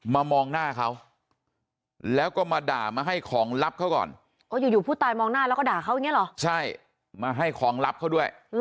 มองหน้าเขาแล้วก็มาด่ามาให้ของลับเขาก่อนอยู่ผู้ตายมองหน้าแล้วก็ด่าเขาอย่างนี้เหรอใช่มาให้ของลับเขาด้วย